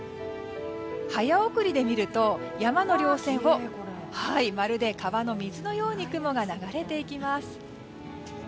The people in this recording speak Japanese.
早送りで見ると山の稜線をまるで川の水のように雲が流れていきます。